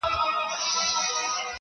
• لږ وزړه ته مي ارام او سکون غواړم..